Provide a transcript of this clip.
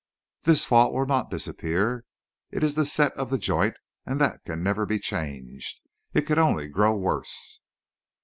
"This fault will not disappear. It is the set of the joint and that can never be changed. It can only grow worse."